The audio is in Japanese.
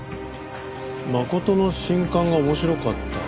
「真琴の新刊が面白かった」？